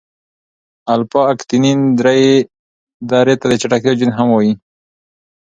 الفا اکتینین درې ته د چټکتیا جین هم وايي.